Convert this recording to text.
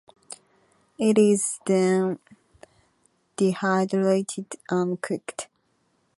It is then dehydrated and cooked.